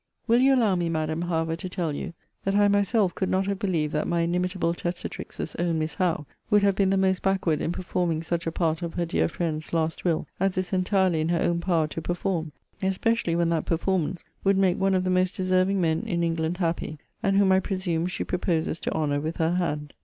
Will you allow me, Madam, however, to tell you, that I myself could not have believed that my inimitable testatrix's own Miss Howe would have been the most backward in performing such a part of her dear friend's last will, as is entirely in her own power to perform especially, when that performance would make one of the most deserving men in England happy; and whom, I presume, she proposes to honour with her hand.